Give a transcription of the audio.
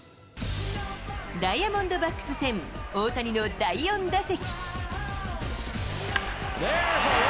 ダイヤモンドバックス戦、大谷の第４打席。